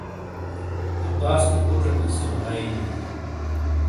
عباس تو پُوچیک اَسِیلو ہائے۔